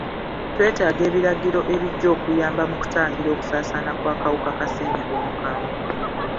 Twetaaga ebiragiro ebigya okuyamba mu kutangira okusaasaana kw'akawuka ka ssenyiga omukambwe.